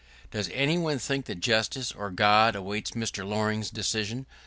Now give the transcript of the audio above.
Does any one think that justice or God awaits Mr. Loring's decision?